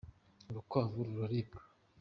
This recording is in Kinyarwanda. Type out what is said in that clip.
urukwavu ruraribwa